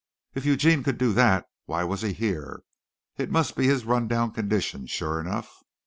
If Eugene could do that, why was he here? It must be his run down condition, sure enough.